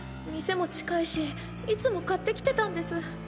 店も近いしいつも買って来てたんです。